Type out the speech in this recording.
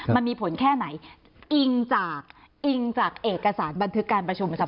มันมีผลแค่ไหนอิงจากเอกสารบันทึกการประชุมทรัพย์